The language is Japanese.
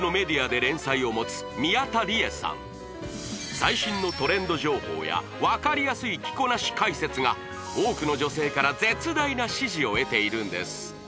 最新のトレンド情報や分かりやすい着こなし解説が多くの女性から絶大な支持を得ているんです